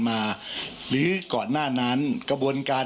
มาหรือก่อนหน้านั้นกระบวนการ